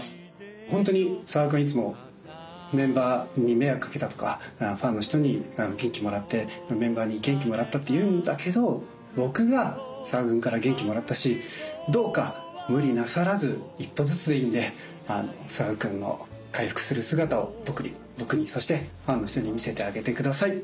本当に佐賀君いつもメンバーに迷惑かけたとかファンの人に元気もらってメンバーに元気もらったって言うんだけど僕が佐賀君から元気もらったしどうか無理なさらず一歩ずつでいいんで佐賀君の回復する姿を僕にそしてファンの人に見せてあげてください。